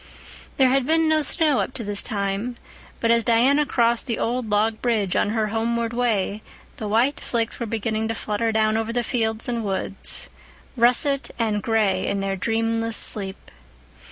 There had been no snow up to this time, but as Diana crossed the old log bridge on her homeward way the white flakes were beginning to flutter down over the fields and woods, russet and gray in their dreamless sleep.